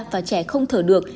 và trẻ không thở được